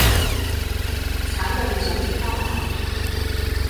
鏟到你上天花板